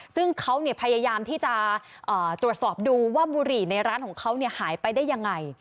ซึ่งเขาพยายามที่จะตรวจสอบดูว่าบุหรี่ในร้านของเขาหายไปได้ยังไง